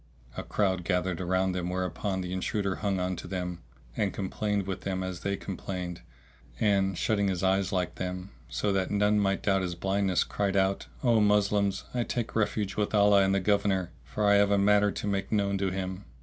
A crowd gathered around them, whereupon the intruder hung on to them; and complained with them as they complained, and, shutting his eyes like them, so that none might doubt his blindness, cried out, "O Moslems, I take refuge with Allah and the Governor, for I have a matter to make known to him!"